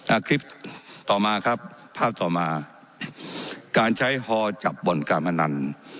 อ่าคลิปต่อมาครับภาพต่อมาการใช้ฮอจับบ่อนการพนัน